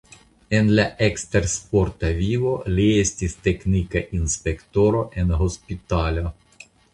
En la ekstersporta vivo li estis teknika inspektoro en hospitalo.